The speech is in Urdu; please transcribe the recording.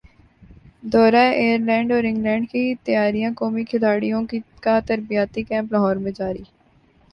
دورہ ائرلینڈ اور انگلینڈ کی تیاریاںقومی کھلاڑیوں کا تربیتی کیمپ لاہور میں جاری